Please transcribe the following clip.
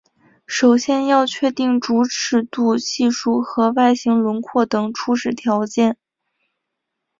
首先要确定主尺度系数和外形轮廓等初始条件。